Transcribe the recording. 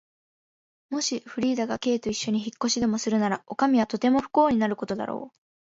もしフリーダが Ｋ といっしょに引っ越しでもするなら、おかみはとても不幸になることだろう。